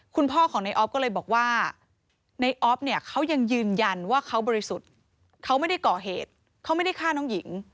คุณพ่อของในออฟก็เลยบอกว่าในออฟเนี่ยเขายังยืนยันว่าเขาบริสุทธิ์เขาไม่ได้ก่อเหตุเขาไม่ได้ฆ่าน้องหญิง